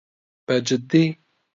بەجددی؟